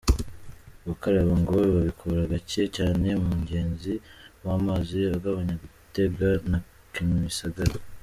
Gukaraba ngo babikora gake cyane mu mugezi wa Mpazi ugabanya Gitega na Kimisagara.